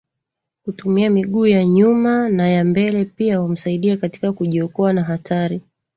kutumia miguu ya nyuma naya mbele pia humsaidia Katika kujiokoa na hatari